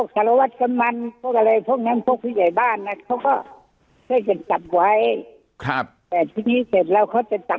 ก็หลุดมาถึงผมอ่าหลุดมาถึงผมทีนี้ก็ไม่รู้ว่าใครทำร้ายกันก่อนน่ะนะครับ